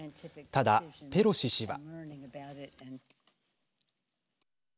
ただ、ペロシ氏は。